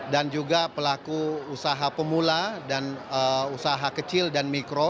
dan juga pelaku usaha pemula dan usaha kecil dan mikro